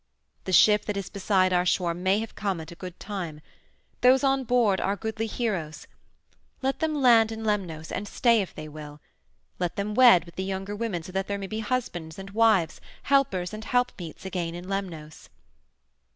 "The ship that is beside our shore may have come at a good time. Those on board are goodly heroes. Let them land in Lemnos, and stay if they will. Let them wed with the younger women so that there may be husbands and wives, helpers and helpmeets, again in Lemnos."